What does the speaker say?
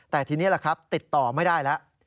แต่ทีนี้แหละครับติดต่อไม่ได้แล้ว